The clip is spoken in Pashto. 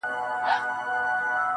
ماته د مار خبري ډيري ښې دي~